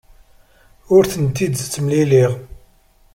Ur tent-id-ttemliliɣ.